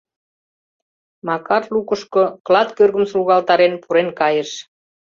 Макар лукышко, клат кӧргым сургалтарен, пурен кайыш.